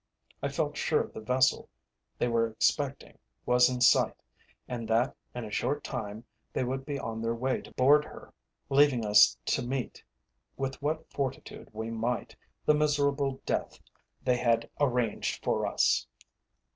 I felt sure the vessel they were expecting was in sight, and that in a short time they would be on their way to board her, leaving us to meet, with what fortitude we might, the miserable death they had arranged for us.